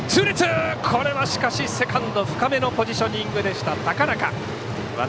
セカンド深めのポジショニングでした、高中。